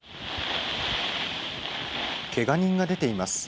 けが人が出ています。